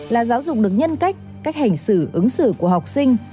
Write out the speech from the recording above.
là giáo dục được nhân cách cách hành xử ứng xử của học sinh